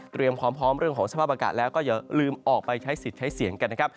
ความพร้อมเรื่องของสภาพอากาศแล้วก็อย่าลืมออกไปใช้สิทธิ์ใช้เสียงกันนะครับ